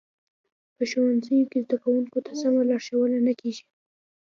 په ښوونځیو کې زده کوونکو ته سمه لارښوونه نه کیږي